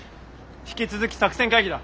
引き続き作戦会議だ！